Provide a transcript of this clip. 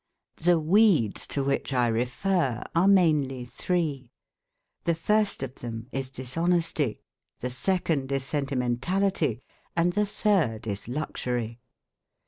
The "weeds" to which I refer are mainly three: the first of them is dishonesty, the second is sentimentality, and the third is luxury.